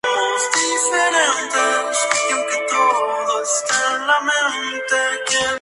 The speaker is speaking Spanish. El Poder Ejecutivo envió el proyecto al Congreso, pero nunca fue tratado.